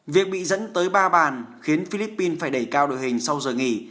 việc bị dẫn tới ba bàn khiến philippines phải đẩy cao đội hình sau giờ nghỉ